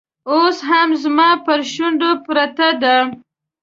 اوس هم زما پر شونډو پرته ده